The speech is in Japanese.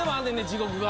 地獄が。